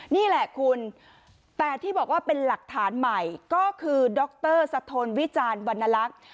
นี่แหละคุณแต่ที่บอกว่าเป็นหลักฐานใหม่ก็คือดรสะทนวิจารณ์วรรณลักษณ์